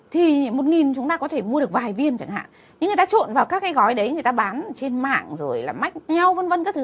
thì một nghìn chúng ta có thể mua được vài viên chẳng hạn nhưng người ta trộn vào các cái gói đấy người ta bán trên mạng rồi là mách nhau vân vân các thứ